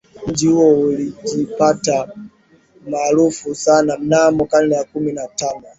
Mji huo ulijipatia umaarufu sana mnamo karne ya kumi na tano